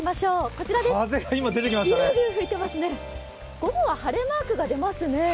午後は晴れマークが出ますね。